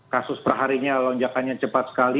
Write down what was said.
kasus perharinya lonjakannya cepat sekali